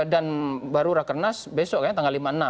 dan baru raker nas besok kan tanggal lima enam